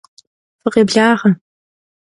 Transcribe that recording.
Fıkhêblağe!